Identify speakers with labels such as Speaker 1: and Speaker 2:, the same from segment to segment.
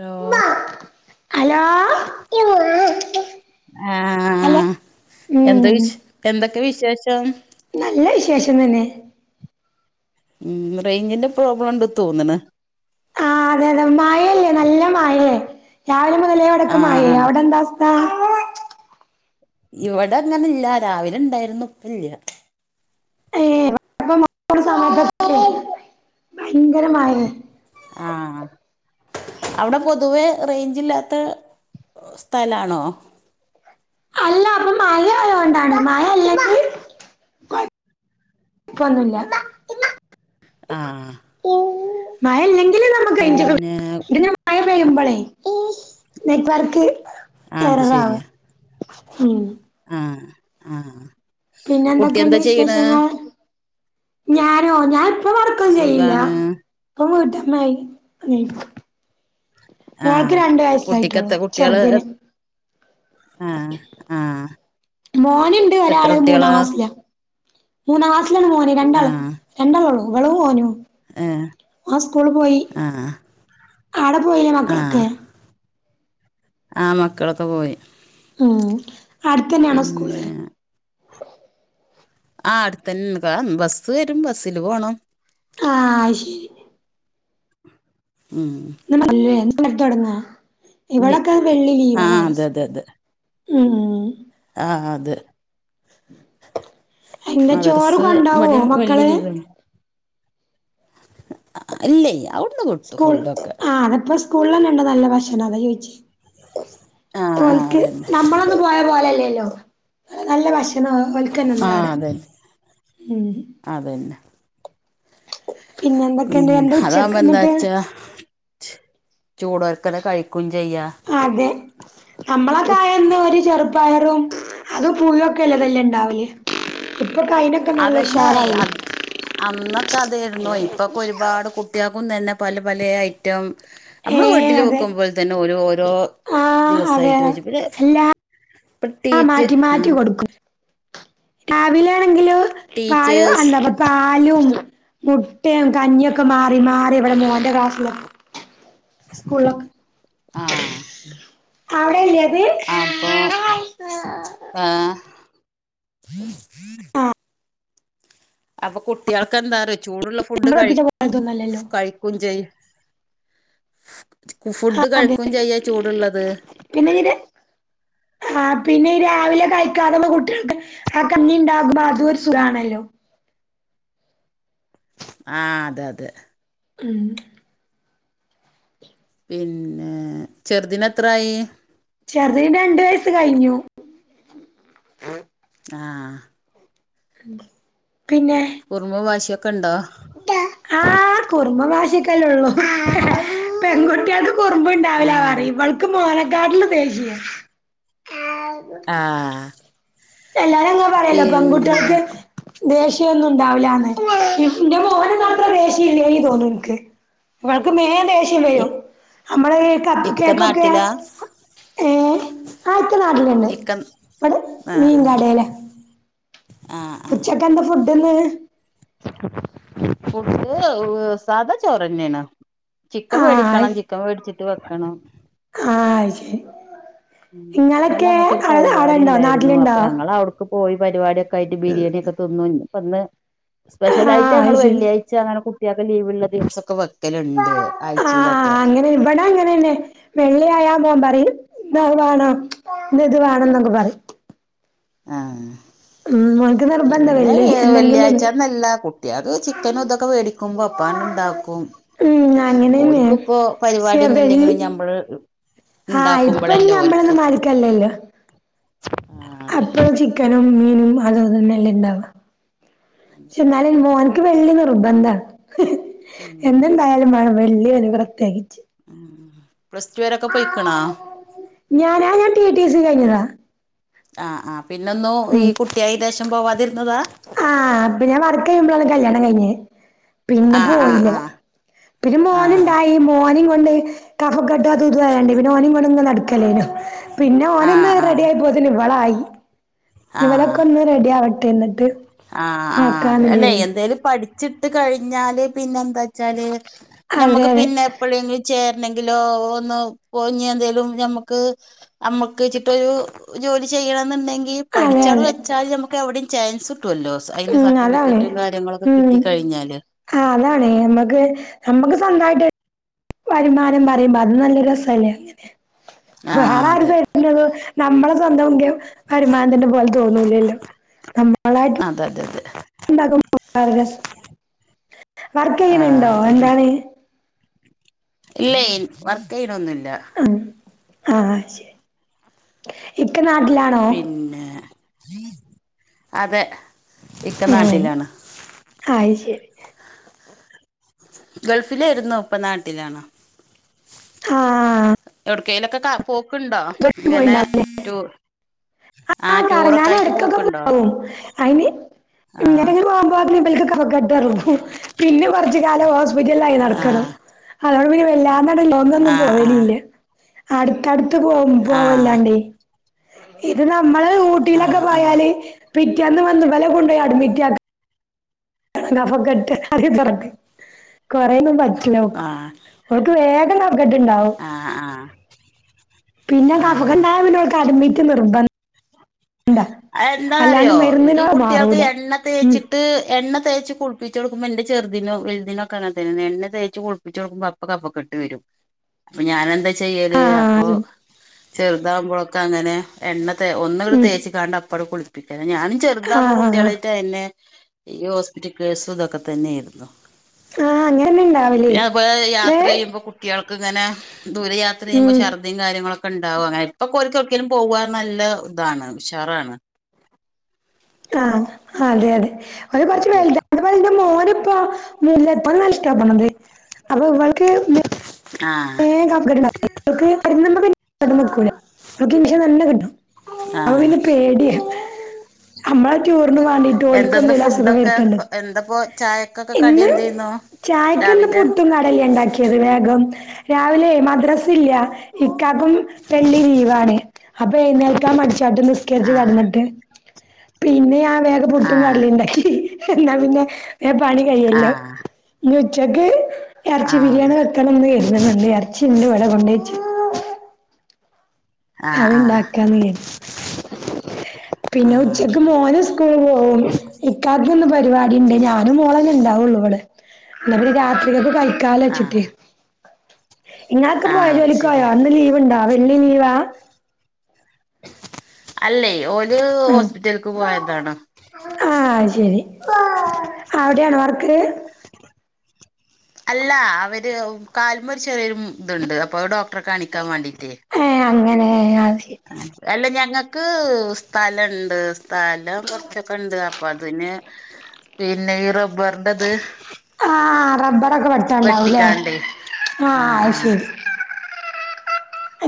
Speaker 1: Law
Speaker 2: hello! [inaudible] Hello
Speaker 1: ആഹ്, എന്ത
Speaker 2: ഉം
Speaker 1: വിശ്. എന്തൊക്കെ വിശേഷം?
Speaker 2: നല്ല വിശേഷം തന്നെ
Speaker 1: ഉം. റൈഞ്ചിന്റെ പ്രോബ്ലംണ്ട് തോന്ന്ണ്.
Speaker 2: ആ അതെ അതെ. മായല്ലേ നല്ല മായേ. രാവിലെ മുതലേ വൊടക്കെ
Speaker 1: ആഹ്
Speaker 2: മയേ.
Speaker 1: അതെ
Speaker 2: അവിടെന്താ? [unintelligible]
Speaker 1: ഇവടങ്ങനെ ഇല്ല. രാവിലെ ണ്ടായിരുന്നു. ഇപ്പല്ല.
Speaker 2: ഏ [unintelligible] ഭയങ്കര മയേ.
Speaker 1: ആ, അവ്ടെ പൊതുവെ റൈഞ്ച് ഇല്ലാത്ത [inaudible] സ്ഥലാണോ?
Speaker 2: അല്ല, അപ്പം മഴയൊണ്ടാണ്. മയ ഇല്ലെങ്കി കൊയ് ക്കന്നുല്ല
Speaker 1: ആ
Speaker 2: മഴല്ലെങ്കില് നമ്മുക്ക്
Speaker 1: പിന്നെ
Speaker 2: [unintelligible] അഴ പെയ്യുമ്പളെ നെറ്റ് വർക്ക്
Speaker 1: ആഹ്
Speaker 2: എററാവ. ഉം
Speaker 1: ആ ആ.
Speaker 2: പിന്നെന്തൊക്കെണ്ട് വിശേഷങ്ങൾ? ഞാനോതാ ഞാപ്പ വർക്കൊന്നു ചെയ്യില്ല.
Speaker 1: സുഖാണ്
Speaker 2: പ്പം വീട്ടമ്മായി [inaudible] മോൾക്ക്
Speaker 1: ആഹ്
Speaker 2: രണ്ട്‌ വയസായി ട്ടൊള്ളൂ.
Speaker 1: കുട്ടിക്കെത്ത കുട്ട്യാള്
Speaker 2: ചെറ്തിന്.
Speaker 1: ആഹ് ആഹ്
Speaker 2: മോന്ണ്ട്
Speaker 1: എത്ര
Speaker 2: ഒരാള്. മൂന്നാം
Speaker 1: കുട്ട്യാളാ
Speaker 2: ക്ലാസ്സില മൂന്നാം ക്ലാസിലാണ് മോന് രണ്ടാളും
Speaker 1: ആഹ്
Speaker 2: രണ്ടാളള്ളു ഇവളും ഓനും
Speaker 1: ഏഹ്
Speaker 2: ഓൻ സ്കൂൾള് പോയി.
Speaker 1: ആഹ്
Speaker 2: ആടെ പോയില്ലേ
Speaker 1: ആഹ്
Speaker 2: മക്കളൊക്കെ?
Speaker 1: ആ, മക്കളൊക്കെ പോയി.
Speaker 2: ആ. അടുത്തന്നെയാണോ സ്കൂള്?
Speaker 1: പിന്നെ ആ അടുത്ത തന്നെ ബസ്സ് വരും ബസ്സിൽ പോണം
Speaker 2: ആ, ശെ
Speaker 1: ഉം
Speaker 2: [unintelligible] അല്ലേ [unintelligible] തൊടങ്ങോ
Speaker 1: ലി
Speaker 2: ഇവിടൊക്കെ വെള്ളി
Speaker 1: ആ
Speaker 2: ലീവാ
Speaker 1: അതെ
Speaker 2: മദ്രസ് മ്മ്
Speaker 1: ആഹ് അത്
Speaker 2: എന്താ ചോറ്
Speaker 1: മദ്രസ്
Speaker 2: കൊണ്ടോവോ
Speaker 1: ഇവിടെയും വെള്ളി
Speaker 2: മക്കള്
Speaker 1: ലീവാണ് ഇല്ലെയ് അവു
Speaker 2: സ്കൂൾ ആപ്പ സ്കൂള്ല്ലന്ണ്ട് നല്ല ഭക്ഷണം അതാ ചോയിച്ചോ
Speaker 1: ആ ആ
Speaker 2: ഓല്ക്ക്
Speaker 1: അതന്നെ
Speaker 2: ഞമ്മളെ നമ്മൾ പോയ പോലല്ലല്ലോ നല്ല ഭക്ഷ
Speaker 1: ആ അതന്നെ
Speaker 2: [unintelligible]
Speaker 1: അതന്നെ
Speaker 2: പിന്നെ എന്തൊക്കെണ്ട്
Speaker 1: പിന്നെ
Speaker 2: എന്താ
Speaker 1: അതാകുമ്പോ
Speaker 2: ഉച്ചക്ക്
Speaker 1: എന്താ
Speaker 2: ഇന്നത്തേ
Speaker 1: വച്ചാ ചൂടോർക്കല കഴിക്കും ചെയ്യാ
Speaker 2: അതെ നമ്മളൊക്കെ
Speaker 1: ഉ
Speaker 2: ആയ അന്ന് ഒരു ചെറു പയറും അതും പുഴുവൊക്കെല്ലതിൽ ഇണ്ടാവൽ ഇപ്പൊക്കായി
Speaker 1: അതെന്നെ അത് അന്നൊക്കെ അതായിരുന്നു ഇപ്പൊക്കെ ഒരുപാട് കുട്ടി കൂട്ട്യാക്കും തന്നെ പല പലെ ഐറ്റം
Speaker 2: ഏ
Speaker 1: അമ്മള് വീട്ട്ല്
Speaker 2: അതെ
Speaker 1: വെക്കുമ്പോല് തന്നെ ഓരൊ ഓരോ
Speaker 2: ആ അതെ
Speaker 1: ദിവസായിട്ട് വെച്ച് പിന്നെ
Speaker 2: എല്ലാ
Speaker 1: പ്രത്യേയിച്ച്
Speaker 2: മാറ്റി മാറ്റി
Speaker 1: ആഹ്
Speaker 2: കൊടുക്കും രാവിലെ ആണെങ്കിലോ പായോ
Speaker 1: ടീച്ചേഴ്സ്
Speaker 2: അന്താ പാലും മുട്ടെം കഞ്ഞിയൊക്കെ മാറി മാറി ഇവടെ മോന്റെ ക്ലാസ്സിലൊ സ്കൂളൊക്ക്
Speaker 1: ആ
Speaker 2: അവടെല്ലേയത്
Speaker 1: ആഹ്
Speaker 2: ആഹ്
Speaker 1: അപ്പം കുട്ട്യാൾക്കെന്താറിയോ ചൂടുള്ള ഫുഡ്
Speaker 2: നമ്മള്
Speaker 1: കഴി
Speaker 2: പഠിപ്പിച്ച പോലത്തൊന്നല്ലല്ലോ
Speaker 1: കഴി ക്കും ചെയ്യ്
Speaker 2: ആഹ്
Speaker 1: ഫുഡ്
Speaker 2: അതെ
Speaker 1: കഴിക്കും ചെയ്യാ ചൂടുള്ളത്
Speaker 2: പിന്നെ എങ്ങനെ ആഹ് പിന്നെ ഈ രാവിലെ കഴിക്കാതെള്ള കുട്ട്യെൾക്ക് ആഹ് കഞ്ഞി ഉണ്ടാകുമ്പോ അതും ഒരു സുഖാണല്ലോ
Speaker 1: ആഹ് അതെ അതെ
Speaker 2: ഉം
Speaker 1: പിന്നെ ചെറ്തിന് എത്രായി
Speaker 2: ചെറ്തിന് രണ്ട് വയസ്സ് കഴിഞ്ഞു
Speaker 1: ആഹ്
Speaker 2: പിന്നെ
Speaker 1: കുറുമ്പും വാശിയൊക്കെ ഇണ്ടോ
Speaker 2: കുറുമ്പും വാശിയക്കല്ലെ ഉള്ളൂ പെൺകുട്ടികൾക്ക്
Speaker 1: ആ
Speaker 2: കുറുമ്പുണ്ടാവില്ല പറയും ഇവൾക്ക് മോനക്കാട്ടിലും ദേഷ്യ
Speaker 1: ആഹ്
Speaker 2: എല്ലാരും അങ്ങനെ പറയല്ലോ പെൺകുട്ടികൾക്ക് ദേഷ്യയൊന്നും ഉണ്ടാവില്ലാന്ന് എന്റെ മോന് മാത്രേ ദേഷ്യ ഇല്ലേനി തോന്നു എനിക്ക് ഇവൾക്ക് വേഗം ദേഷ്യം
Speaker 1: ഇ
Speaker 2: വരും നമ്മള് ഈ കപ്പ്
Speaker 1: ഇക്ക
Speaker 2: കേക്കൊക്കെ
Speaker 1: നാട്ടിലാ
Speaker 2: ഏഹ് അതൊക്കെ നാട്ടിലുണ്ട്
Speaker 1: ഇക്ക
Speaker 2: ഇവിടെ
Speaker 1: ആഹ് ആഹ്
Speaker 2: മീൻകടല്ലേ
Speaker 1: ആഹ് ആഹ്
Speaker 2: ഫുഡ്ന്ന്
Speaker 1: ഫുഡ് സാധാ ചോറ് തന്നെയാണ് ചിക്കൻ
Speaker 2: ആ
Speaker 1: മേടിക്കണം ചിക്കൻ മേടിച്ചിട്ട് വെക്കണം
Speaker 2: ആഹ് ശെരി
Speaker 1: ഇന്നലെ ഞങ്ങൾക്കൊരു പരിപാടി
Speaker 2: അവിടെണ്ടോ
Speaker 1: ഉണ്ടായിരുന്നു അപ്പൊ
Speaker 2: നാട്ടിലുണ്ടോ
Speaker 1: ഞങ്ങൾ അവിടെ പോയി പരിപാടൊക്കെയായിട്ട് ബിരിയാണി ഒക്കെ തുന്ന് ഇന്ന് ഇപ്പോ സ്പഷ്യൽ
Speaker 2: ആ
Speaker 1: ആയിട്ട് ഞങ്ങൾ
Speaker 2: അയ് ശരി
Speaker 1: വെള്ളിയാഴ് ച്ച അങ്ങനെ കുട്ടികൾക്ക് ലീവ് ഉള്ള ദിവസൊക്കെ വെക്കലുണ്ട്
Speaker 2: ആ
Speaker 1: ആഴ്ചയിലൊക്കെ
Speaker 2: അങ്ങനെ ഇവിടെ അങ്ങനെന്നെ വെള്ളിയായാൽ മോൻ പറയും ഇന്ന് അത് വേണോ ഇന്ന് ഇത് വേണോ എന്നൊക്കെ പറയും
Speaker 1: ആഹ്.
Speaker 2: ഉം ഓൻക്ക് നിർബന്ധ
Speaker 1: പിന്നെ
Speaker 2: വെള്ളി എന്തെങ്കിലുംന്ന്
Speaker 1: വെള്ളിയാഴ്ചന്നല്ല കുട്ടിയക്ക് ചിക്കനും ഇതൊക്കെ വേടിക്ക ക്കുമ്പോ അപ്പാണ്ട് ഉണ്ടാക്കും
Speaker 2: ഉം അങ്ങനെന്നെ
Speaker 1: ഒക്കും ഇപ്പോ
Speaker 2: പക്ഷെ
Speaker 1: പരിപാടിയൊന്നും
Speaker 2: വെള്ളി
Speaker 1: ഇല്ലെങ്കിലും ഞമ്മള് ണ്ടാക്കുമ്പളല്ലേ ഓൽക്കു.
Speaker 2: അല്ലല്ല
Speaker 1: അതെ
Speaker 2: അപ്പോ ചിക്കനും മീനും അതോതന്നെല്ലാം ഇണ്ടാവാ പക്ഷെ എന്നാലും മോനക്ക് വെള്ളി നിർബന്ധാ
Speaker 1: ഉം
Speaker 2: എണ്ടായാലും
Speaker 1: അതന്നെ
Speaker 2: വ വെള്ളിയ അന് പ്രത്യേകിച്ച്
Speaker 1: ഉം പ്ലസ് റ്റു വരൊക്കെ പൊയ്ക്ക്ണാ.
Speaker 2: ഞാനാ ഞാൻ ടി ടി സി കയ്ഞ്ഞതാ.
Speaker 1: ആഹ് ആ പിന്നൊന്നു ഈ
Speaker 2: ഉം
Speaker 1: കുട്ട്യായിൻ്റെശം പോവാതിര്ന്നതാ.
Speaker 2: ആഹ് പിന്നെ വർക്ക് കഴിയുമ്പോളാണ് കല്യാണം കഴിഞ്ഞത് പിന്നെ
Speaker 1: ആ ആ
Speaker 2: പോയില്ല
Speaker 1: ആ
Speaker 2: പിന്നെ
Speaker 1: ആ
Speaker 2: മോന്ണ്ടായി മോനിം കൊണ്ട് കഫക്കെട്ട് ഇത് അതുതും അയാണ്ടെ പിന്നെ ഓനിം കൊണ്ട്ങ്ങ നടക്കല്ലെനിയോ പിന്നെ
Speaker 1: ആ
Speaker 2: ഓന്ന്ന് റെഡിയായപ്പോത്തിന് ഇവളായി. ഇവലൊക്കെ ഒന്ന് റെഡി ആവട്ടെ ന്നിട്ട്
Speaker 1: ആഹ ആഹ് അതെ അല്ലെ എന്തേലും പഠിച്ചിട്ട് കഴിഞ്ഞാല് പിന്നെ എന്താച്ചാല്.
Speaker 2: അതെ
Speaker 1: ഞ്ഞമ്മക്ക്
Speaker 2: അതെ
Speaker 1: പിന്നെ എപ്പളേങ്കി ചേരണെങ്കിലോ ഒന്ന് ഒഞ്ഞന്തേലും ഞമ്മക്ക്. നമ്മുക്ക് വെച്ചിട്ടരു ജോലി ചെയ്യണം എന്നുണ്ടെങ്കിൽ
Speaker 2: അതെ
Speaker 1: പഠിച്ചട്
Speaker 2: അതെ
Speaker 1: വെച്ചാല് നമുക്ക് എവിടിം ചാൻസ് ട്ടല്ലോ. അതിന്
Speaker 2: ഉം അതാണ്
Speaker 1: സർട്ടിഫിക്കറ്റും കാര്യങ്ങളൊക്കെ കിട്ട
Speaker 2: ഉം
Speaker 1: കഴിഞ്ഞാല്
Speaker 2: ആഹ് അതാണ് അമ്മക്ക് നമ്മക്ക് സ്വന്തായ്ട്ട്. വരുമാനം പറിമ്പ അത് നല്ല രസല്ലേ
Speaker 1: ആഹ് അതെ
Speaker 2: വേറാര്ത്- ത് നമ്മളെ സ്വന്തം എങ്ക വരുമാനത്തിന്റെ പോലെ തോന്നൂലല്ലോ
Speaker 1: അത അതെ അതെ.
Speaker 2: ണ്ടാകും വർഗസ് വർക്കെയ്യ്ണ്
Speaker 1: ആഹ്
Speaker 2: ണ്ടോ? എന്താണ്?
Speaker 1: ഇല്ലയ് വർക്കെയ്യിണൊന്നുല്ല.
Speaker 2: ആ ആഹ ശരി ഇക്ക നാട്ടിലാണ്-
Speaker 1: പിന്നെ അതെ. ഇക്ക
Speaker 2: ഉം
Speaker 1: നാട്ടിലാണ്
Speaker 2: ആയിശരി
Speaker 1: ഗൾഫിലായിരുന്നു ഇപ്പ നാട്ടിലാണോ
Speaker 2: ഹാ
Speaker 1: കേലൊക്കെ ക പോക്ക്ണ്ടോ ഇങ്ങനെ റ്റു-
Speaker 2: അ ആ [unintelligible] ഞാനെട്ക്കൊക്കെ പോകും അയ്ന്. ഇ
Speaker 1: ആ
Speaker 2: [unintelligible] പോമ്പോത്തിന് ഇബൽക്ക് കഫകെട്ട് [unintelligible] പിന്നെ കൊർച് കാലം ഹോസ്പിറ്റലായി
Speaker 1: ആ
Speaker 2: നടക്കണം അതോണ്ട് പിന്നെ വല്ലാതണ്ട്
Speaker 1: ആ
Speaker 2: ന്നും
Speaker 1: ആ
Speaker 2: പോവലില്ല അടുത്തടുത്ത് പോ
Speaker 1: ആ
Speaker 2: പോവല്ലാണ്ടേ. ഇത് നമ്മള്
Speaker 1: ആ ആ
Speaker 2: ഊട്ടിലൊക്കെ പോയാല് പിറ്റേന്ന് വന്നു ഇവലെ കൊണ്ടു പോയി അഡ്മിറ്റ്‌ ആ ഗഫക്കെട്ട് അ തുറക്ക കൊറയന്നും പ
Speaker 1: ആ
Speaker 2: കിനോക്ക് അവക്ക് വേഗം കഫക്കെട്ടുണ്ടാവും.
Speaker 1: ആ
Speaker 2: പിന്നെ
Speaker 1: ആ ആ
Speaker 2: കഫഗാവിനോ അഡമിറ്റ് നിർബ അല്ലാണ്ട്
Speaker 1: എന്താന്നറിയോ ഈ
Speaker 2: മരുന്നിനോട്
Speaker 1: കുട്ടികൾക്ക്
Speaker 2: മാറൂല
Speaker 1: എണ്ണ
Speaker 2: ഉം
Speaker 1: തേച്ചിട്ട് എണ്ണ തേച്ച് കുൾ ളിപ്പിച്ചോടുക്കുമ്പോ എന്റെ ചെറുതിനും വലുതിനോക്കെ അങ്ങനെ തന്നെ എന്നെ തേച്ച് കുിപ്പിച്ച കൊടുക്കുമ്പ അപ്പ കഫകെട്ട് വരും. അപ്പൊ ഞാൻ എന്താ ചെയ്യല് അപ്പൊ
Speaker 2: ആ
Speaker 1: ചെർതാവുമ്പളൊക്കങ്ങനെ എണ്ണ തെ ഒന്ന്ങ്ങട്
Speaker 2: ഉം
Speaker 1: തേച്ച്കാണ്ട് അപ്പട് കുളിപ്പിക്കാന ഞാന്. ചെറുതാപ്പൊ
Speaker 2: ആഹ് ആഹ്
Speaker 1: കുട്ടികളായിട്ട് അതന്നെ ഈ ഹോസ്പിറ്റൽ കേസും ഇതൊക്കെ തന്നെയെരുന്നു.
Speaker 2: ആഹ് അങ്ങനെന്നെ ഇണ്ടാവല്
Speaker 1: പിന്നെ അതുപോലെ
Speaker 2: ദേ
Speaker 1: യാത്ര ചെയ്യുമ്പോ കു ട്ട്യൾക്ക് ഇങ്ങനെ ദൂര യാത്ര ചെയ്യുമ്പോ
Speaker 2: ഉം
Speaker 1: ശർദ് തിം കാര്യങ്ങളൊക്കെ ണ്ടാവു അങ്ങനെ ഇപ്പൊക്കോൽക്കൊട്ക്കേലും പോവാർഞ്ഞ നല്ല താണ് ഉഷാറാണ്.
Speaker 2: ആ അതെ അതെ ഓന് കുറച്ച് വെലു
Speaker 1: കുട്ടികൾക്ക്
Speaker 2: അതുപോലെ എന്റെ മോന് ഇപ്പൊ മുല്ലപ്പു നല്ലിഷ്ടപ്പെടാണ് അപ്പൊ ഇവൾക്ക്
Speaker 1: ആഹ്
Speaker 2: ഏ അവക്ക അവഷം നല്ല കിട്ടും അപ
Speaker 1: ആഹ്
Speaker 2: പിന്നെ പേടിയാ നമ്മളെ ചൺടൂറിന് വേണ്ടിട്ട് ഓല്ക്ക്
Speaker 1: എന്തെന്ന്
Speaker 2: എന്തരലു. അസുഖം
Speaker 1: ഫുഡൊക്കെ
Speaker 2: വരുത്തണ്ടേ
Speaker 1: എന്താപ്പോ ചായക്കൊക്കെ കടി
Speaker 2: ഇന്ന്
Speaker 1: എന്തേന്നു
Speaker 2: ചായക്കിന്ന്
Speaker 1: രാവിലെ
Speaker 2: പുട്ടും കടലേ ഉണ്ടാക്കിയത് വേഗം രാവിലെ മദ്രസ ഇല്ല ഇക്കക്കും വെള്ളി ലീവാണ് അപ്പൊ എഴുന്നേൽക്കാ മടിച്ചാട്ടം നിസ്കരിച്ചു
Speaker 1: ആഹ്
Speaker 2: കിടന്നിട്ട് പിന്നെ ഞാൻ വേഗം പുട്ടും
Speaker 1: ആഹ്
Speaker 2: കടലേ ഉണ്ടാക്കി എന്നാ പിന്നെ നെ പണി കഴിയല്ലോ
Speaker 1: ആഹ്
Speaker 2: ഇനി ഉച്ചയ്ക്ക് എറച്ചി
Speaker 1: ആഹ് അത്
Speaker 2: ബിരിയാണി വെക്കണം എന്ന് കരു ഇണ്ട് ഇറച്ചി ഉണ്ട് ഇവിടെ കൊണ്ടച്ചു
Speaker 1: ആഹ് ആഹ്
Speaker 2: അത്ണ്ടാക്കാന്ന് വിചാരികും പിന്നെ
Speaker 1: ആഹ്
Speaker 2: ഉച്ചക്ക്
Speaker 1: അതന്നെ
Speaker 2: മോന് സ് സ്കൂൾ പോവും, ഇക്കാക്കിന്ന് പരിപാടിണ്ട് ഞാനും മോളന്ന ഉണ്ടാവുള്ളൂ ഇവിടെ എന്നാപ്പിന്നെ രാത്രിലേക്ക് കഴിക്കാ വെച്ചിട്ടേ
Speaker 1: ആഹ്
Speaker 2: ഇങ്ങളൊക്കെ പോയ
Speaker 1: ആഹ് അത്
Speaker 2: ജോലിക്ക് പോയോ
Speaker 1: ശരിയാ
Speaker 2: ഇന്ന് ലീവ്ണ്ടാ വെള്ളി ലീവാ?
Speaker 1: അല്ലേ ഓരു
Speaker 2: ആഹ്
Speaker 1: ഹോസ്പിറ്റൽക്ക് പോയന്താണ്
Speaker 2: ആഹ് ശരി എവിടെയാണോ വർക്ക്?
Speaker 1: അല്ല അവര് കാൽമേ ചെറിയൊരു ഇതുണ്ട് അപ്പൊ ഡോക് അത്ര കാണിക്കാൻ വേണ്ടിട്ട്
Speaker 2: ഏഹ് അങ്ങനെ അത് ശരി
Speaker 1: അല്ല ഞങ്ങൾക്ക് സ്ഥലണ്ട് സ്ഥലം കുറച്ചൊക്കെ ഉണ്ട് അപ്പൊ അതിന് പിന്നെ ഈ റബ്ബറിന്റെത്
Speaker 2: ആ റബ്ബറൊക്കെ വെട്ടാണ്ടാവല്ലേ
Speaker 1: വെട്ടിക്കാണ്ടേ
Speaker 2: ആഹ് അത് ശരി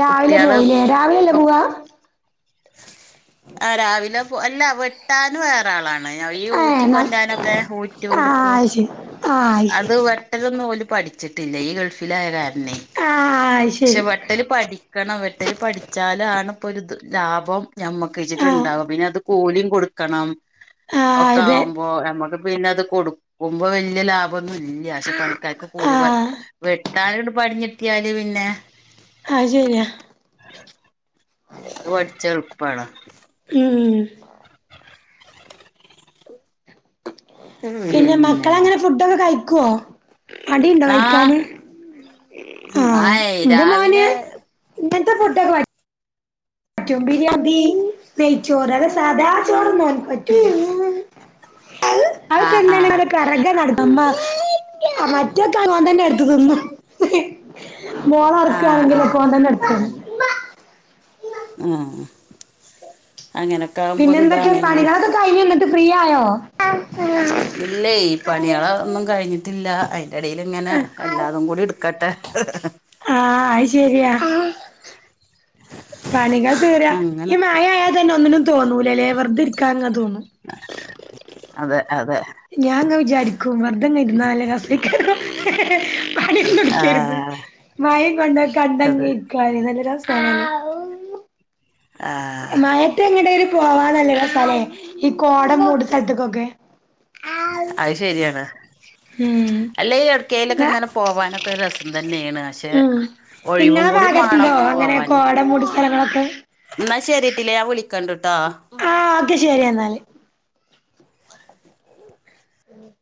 Speaker 2: രാവിലെ
Speaker 1: കുട്ട്യാള്
Speaker 2: പോവില്ലേ രാവിലെല്ല പോവാ?
Speaker 1: ഒക്കെ ആ രാവിലെ പോ അല്ല വെട്ടാന വേറ രാളാണ് ഈ ഊറ്റി
Speaker 2: ഏഹ് ന
Speaker 1: കൊണ്ടാനൊക്കെ ഊറ്റ കൊടുക്കും
Speaker 2: ആഹ് അത് ശരി ആഹ്
Speaker 1: അത് ഒട്ടതൊന്നും ഓലു പഠിച്ചിട്ടില്ല ഈ ഗൾഫിലായ കാരണെ
Speaker 2: അത്
Speaker 1: പക്ഷെ
Speaker 2: ശരി
Speaker 1: വെട്ടൽ പഠിക്കണം വെട്ടൽ പഠിച്ചാലാണ് ഇപ്പോ ഒരു ലാഭം
Speaker 2: ആഹ് അത് ശരി ആഹ്
Speaker 1: ഞമ്മക്കച്ചിട്ടുണ്ടാവും പിന്നെ അത് കൂലിയും കൊടുക്കണം
Speaker 2: ആഹ്
Speaker 1: ഒക്കെ
Speaker 2: അതെ
Speaker 1: ഓ നമ്മുക്ക് പിന്നെ അത് കൊടുക്കുമ്പോ വലിയ ലാഭം. ഒന്നും ഇല്ല പക്ഷെ പണിക്കാർക്ക് കൊല
Speaker 2: ആഹ്
Speaker 1: വെട്ടാലണ്ട് പടിഞ്ഞിട്ടിയാല് പിന്നെ
Speaker 2: ആ ശരിയാ
Speaker 1: അത് പഠിച്ചെളുപ്പണ
Speaker 2: ഉം പിന്നെ മക്കള അങ്ങനെ ഫുഡൊക്കെ കഴിക്കുവോ? മടിണ്ടോ
Speaker 1: ആഹ്
Speaker 2: കഴിക്കാന്
Speaker 1: ഉം
Speaker 2: ആഹ്
Speaker 1: ആയ്
Speaker 2: എന്റെ മോന്
Speaker 1: രാവിലെ
Speaker 2: ഇന്നത്തെ ഫുഡാ മറ്റും ബിരിയാണി നെയ്ച്ചോറ് അത് സാദാ ചോറ് തോ [unintelligible]
Speaker 1: ആഹ് ആഹ്
Speaker 2: ഇത്രക്കെ നടത്തുമ്പ മറ്റേക്കവൻ തന്നെ എടുത്ത് തിന്നും
Speaker 1: ആഹ്
Speaker 2: മോളൊറക്ക്വാണെങ്കിലാ
Speaker 1: ആഹ്
Speaker 2: കോൻതന്റടുത്താ
Speaker 1: ഉം അങ്ങനെ
Speaker 2: പിന്നെ എന്തൊക്കെ പണികളൊക്കെ കഴിഞ്ഞോ എന്നിട്ട് ഫ്രീ ആയോ
Speaker 1: ഇല്ലേ ഈ പണികളൊന്നും കഴിഞ്ഞിട്ടില്ല അ എടേല് ഇങ്ങനെ
Speaker 2: ആഹ്
Speaker 1: എല്ലാതും കൂടി എടുക്കട്ടെ
Speaker 2: ആഹ് അത് ശരിയാ പണിക തീരാ
Speaker 1: അങ്ങനെ
Speaker 2: ഈ മായായ തന്നെ ഒന്നിനും തോന്നൂല അല്ലേ വെറുതെ ഇരിക്കാങ്ങ തോന്നും.
Speaker 1: അതെ അതെ
Speaker 2: ഞാൻങ്ങ് വിചാരിക്കും വെറുതെങ്ങ് ഇരുന്നാല് രസം കേറും
Speaker 1: ആ
Speaker 2: പാടടിക്കരുന്നു മയം കൊണ്ട
Speaker 1: അത്
Speaker 2: കണ്ടങ്ങി ഇരിക്ക നല്ല രസാണല്ലേ?
Speaker 1: ആഹ്
Speaker 2: മയത്തെ എങ്ങടേര് പോവാന്നല്ലരു സ്ഥലേ ഈ കോടംമൂട് സ്ഥലത്തേക്കൊക്കെ
Speaker 1: അഹ് ശരിയാണ്
Speaker 2: ഉം
Speaker 1: അല്ലെ യൊ
Speaker 2: ഞാ
Speaker 1: ടക്കയിലൊക്കെങ്ങനെ പോവാനൊക്കരു രസം തന്നെണ് പക്ഷെ
Speaker 2: ഉം
Speaker 1: ഒഴിവും
Speaker 2: ഇങ്ങളെ
Speaker 1: കൂടി വാണം
Speaker 2: ഭാഗത്തുണ്ടോ അങ്ങനെ
Speaker 1: പോവാന്
Speaker 2: കോട മൂടിയ സ്ഥലങ്ങളൊക്കെ
Speaker 1: ഇന്നാ ശെരിട്ടിലെ ഞാൻ വിളിക്കണ്ട് ട്ടൊ
Speaker 2: ആഹ് ഓക്കെ ശെരി എന്നാല് [inaudible]